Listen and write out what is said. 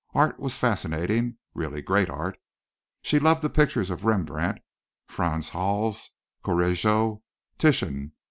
Art was fascinating really great art. She loved the pictures of Rembrandt, Frans Hals, Correggio, Titian.